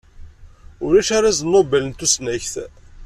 Ulac arraz Nobel n tusnakt.